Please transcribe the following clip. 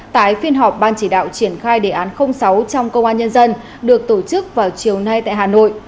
tại phiên họp ban chỉ đạo triển khai đề án sáu trong công an nhân dân được tổ chức vào chiều nay tại hà nội